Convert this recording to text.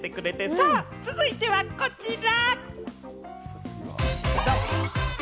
さあ、続いてはこちら。